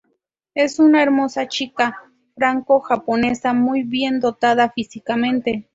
Es una hermosa chica franco-japonesa muy bien dotada físicamente.